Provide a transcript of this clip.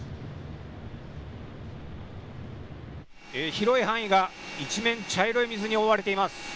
広い範囲が一面茶色い水に覆われています。